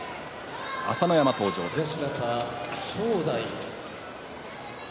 朝乃山登場です。